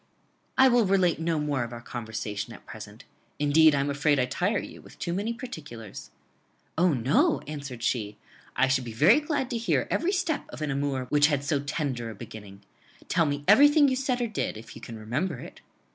"I will relate no more of our conversation at present; indeed I am afraid I tire you with too many particulars." "O, no!" answered she; "I should be glad to hear every step of an amour which had so tender a beginning. Tell me everything you said or did, if you can remember it."